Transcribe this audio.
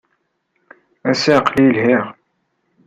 Ass-a, aql-iyi lhiɣ.